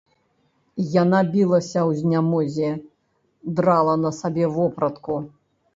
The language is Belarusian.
Яна білася ў знямозе, драла на сабе вопратку.